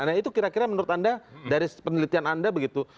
nah itu kira kira menurut anda dari penelitian anda begitu